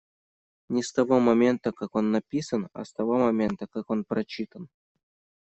Не с того момента как он написан, а с того момента, как он прочитан.